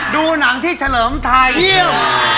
ดูหนังที่เฉลิมไทยเที่ยว